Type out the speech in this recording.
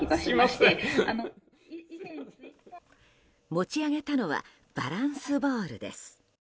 持ち上げたのはバランスボールです。